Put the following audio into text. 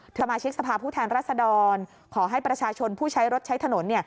สมาชิกสภาพผู้แทนรัศดรขอให้ประชาชนผู้ใช้รถใช้ถนน